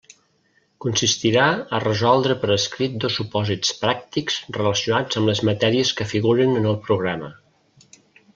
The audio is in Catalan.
Consistirà a resoldre per escrit dos supòsits pràctics relacionats amb les matèries que figuren en el programa.